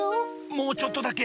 もうちょっとだけ。